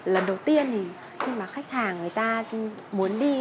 lần đầu tiên khi mà khách hàng muốn đi